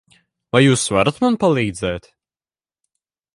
Vai jūs varat man palīdzēt?